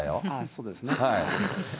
そうですね。